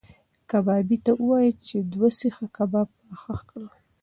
کبابي ته وایه چې دوه سیخه کباب پخ کړي.